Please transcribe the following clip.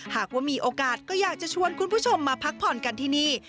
หากว่ามีโอกาสก็อยากจะชวนคุณผู้ชมมาพักผ่อนกันที่นี่